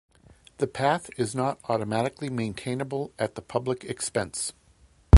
The path is not automatically maintainable at the public expense.